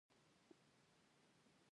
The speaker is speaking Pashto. دا د بل هر روش په پرتله غوره ده.